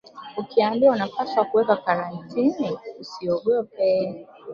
Ukiambiwa unapaswa kuwekwa Karantini usiogope